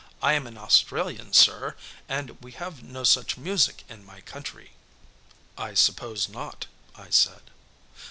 I am an Australian, sir, and we have no such music in my country." "I suppose not," I said.